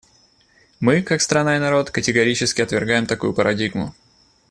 Мы, как страна и народ, категорически отвергаем такую парадигму.